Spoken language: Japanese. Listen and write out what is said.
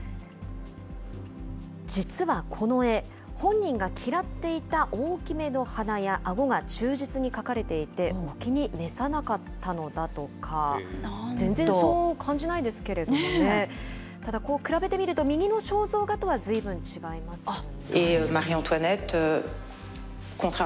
実はこの絵、本人が嫌っていた大きめの鼻やあごが忠実に描かれていて、お気に全然そう感じないですけれどただ、こう比べてみますと、右の肖像画とはずいぶん違いますよね。